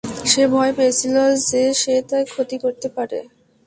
সে ভয় পেয়েছিল যে সে তার ক্ষতি করতে পারে।